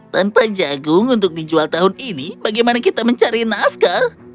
tanpa jagung untuk dijual tahun ini bagaimana kita mencari nafkah